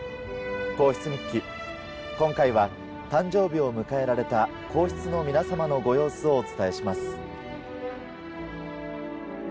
『皇室日記』今回は誕生日を迎えられた皇室の皆さまのご様子をお伝えします。